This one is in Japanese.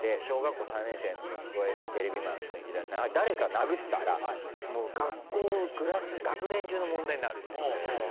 小学校３年生の息子がいるテレビマンの人に聞いたら誰か殴ったら学年中の問題になるって。